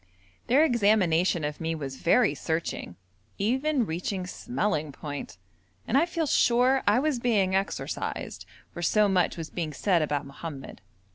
Their examination of me was very searching, even reaching smelling point, and I feel sure I was being exorcised, for so much was being said about Mohammed.